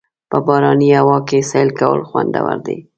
په باراني هوا کې سیل کول خوندور دي.